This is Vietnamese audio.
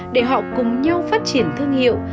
để họ cùng nhau phát triển thương hiệu